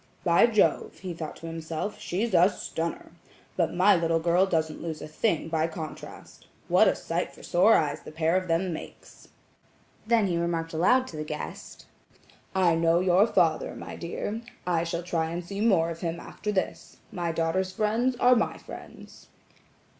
"By Jove," he thought to himself, "she's a stunner! But my little girl doesn't lose a thing by contrast. What a sight for sore eyes the pair of them makes!" Then he remarked aloud to the guest: "I know your father, my dear; I shall try and see more of him after this. My daughter's friends are my friends."